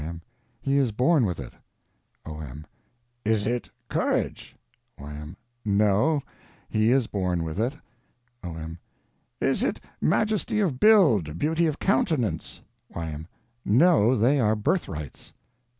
Y.M. He is born with it. O.M. Is it courage? Y.M. No. He is born with it. O.M. Is it majesty of build, beauty of countenance? Y.M. No. They are birthrights.